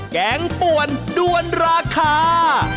แกงป่วนด้วนราคา